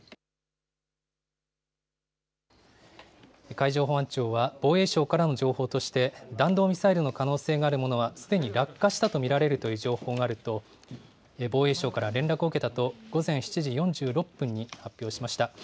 海上保安庁は防衛省からの情報として、弾道ミサイルの可能性があるものは、すでに落下したと見られるという情報があると防衛省から連絡を受けたと、午前７時４６分に発表しました。